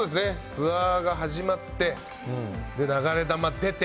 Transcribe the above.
ツアーが始まって『流れ弾』出て。